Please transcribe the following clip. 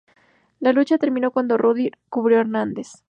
La lucha terminó cuando Roode cubrió a Hernández.